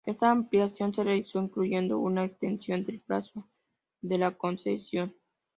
Ésta ampliación se realizó incluyendo una extensión del plazo de la concesión.